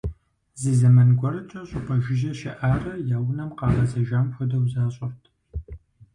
Зы зэман гуэркӏэ щӏыпӏэ жыжьэ щыӏарэ, я унэм къагъэзэжам хуэдэу защӏырт.